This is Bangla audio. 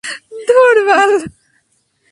ধুর, বাল।